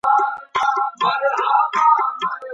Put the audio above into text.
ساینس پوهنځۍ پرته له پلانه نه پراخیږي.